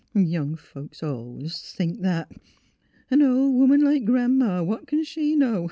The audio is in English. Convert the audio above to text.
Young folks al'ays thinks that. ... An oP woman like Gran 'ma, what c'n she know?